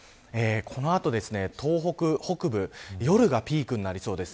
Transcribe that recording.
この後、東北北部夜がピークになりそうです。